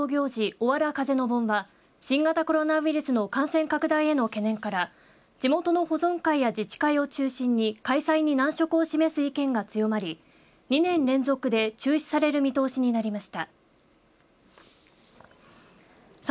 おわら風の盆は新型コロナウイルスの感染拡大への懸念から地元の保存会や自治会を中心に開催に難色を示す意見が強まり２年連続で中止される見通しになりました。